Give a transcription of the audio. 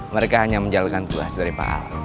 mereka hanya menjalankan tugas dari pak ahok